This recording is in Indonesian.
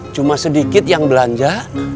cuma sedikit yang belanja